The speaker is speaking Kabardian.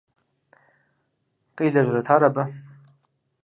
Къилэжьрэт ар абы?